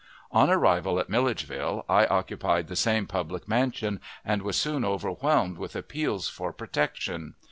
On arrival at Milledgeville I occupied the same public mansion, and was soon overwhelmed with appeals for protection.